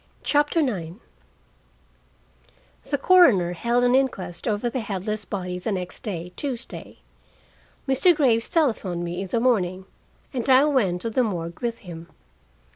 CHAPTER IX The coroner held an inquest over the headless body the next day, Tuesday. Mr. Graves telephoned me in the morning, and I went to the morgue with him.